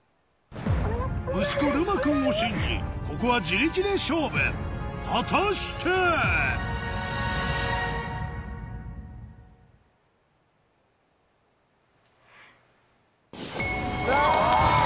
息子るま君を信じここは自力で勝負果たして⁉あ！